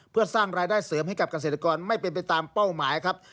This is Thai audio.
เพื่อสร้างรายได้เสริมให้กับเกษตรกรไม่เป็นไปตามเป้าหมายครับ